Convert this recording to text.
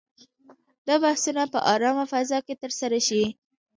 دا بحثونه په آرامه فضا کې ترسره شي.